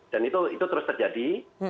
dan itu terus terjadi